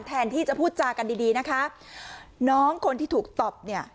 แทนที่จะพูดจากันดีดีนะคะน้องคนที่ถูกตอบเนี่ย